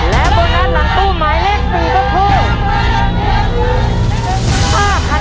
และโบนัสหลังตู้หมายเลข๔ก็คือ